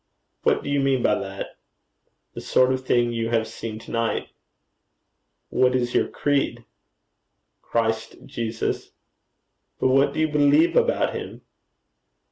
'What do you mean by that?' 'The sort of thing you have seen to night.' 'What is your creed?' 'Christ Jesus.' 'But what do you believe about him?'